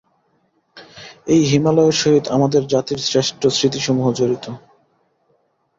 এই হিমালয়ের সহিত আমাদের জাতির শ্রেষ্ঠ স্মৃতিসমূহ জড়িত।